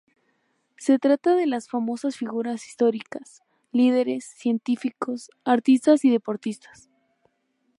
Se trata de las famosas figuras históricas: líderes, científicos, artistas y deportistas.